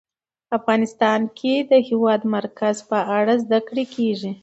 افغانستان کې د د هېواد مرکز په اړه زده کړه کېږي.